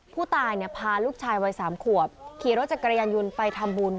ผู้ตายพาลูกชายวัยสามขวบขี่รถจากกระยายังยุลไปทำบุญ